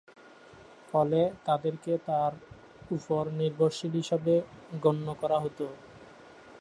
ফলে তাদেরকে তার উপর নির্ভরশীল হিসেবে গণ্য করা হত।